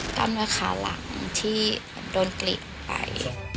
กล้ามเนื้อขาหลังที่โดนกลิดไป